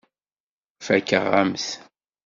Fakeɣ-am-t.